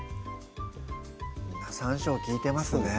山椒利いてますね